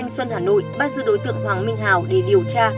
công an quận thanh xuân hà nội bắt giữ đối tượng hoàng minh hào để điều tra